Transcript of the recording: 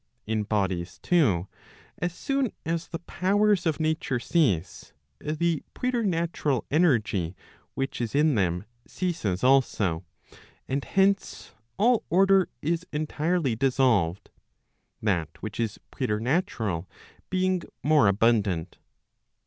In bodies too as soon as the powers of nature cease, the preternatural energy which is in them ceases also; and hence, all order is entirely dissolved, that which is preternatural being more abundant.